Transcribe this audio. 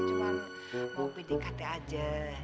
cuman mau pindik kt aja